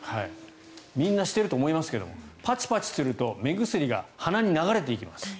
みんなしていると思いますけどパチパチすると目薬が鼻に流れていきます。